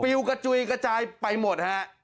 เปลี่ยวกระจ่วยกระจายไปหมด